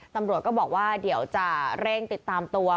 ตำรวจก็บอกว่าเดี๋ยวจะเร่งติดตามตัว